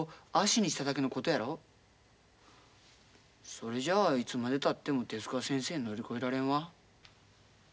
それじゃいつまでたっても手先生乗り越えられんわ。